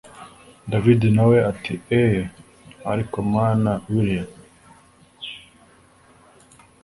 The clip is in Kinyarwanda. david nawe ati eee ariko mn willia